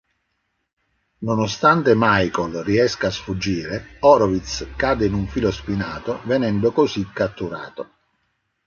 Nonostante Michael riesca a sfuggire, Horowitz cade in un filo spinato venendo così catturato.